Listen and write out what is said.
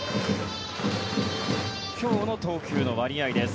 今日の投球の割合です。